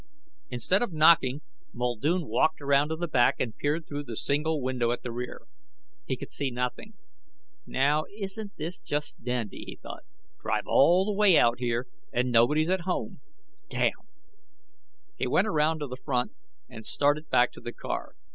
Instead of knocking, Muldoon walked around to the back and peered through the single window at the rear. He could see nothing. Now isn't this just dandy, he thought. Drive all the way out here, and nobody's at home. Damn! He went around to the front and started back to the car.